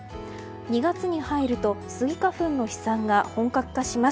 ２月に入るとスギ花粉の飛散が本格化します。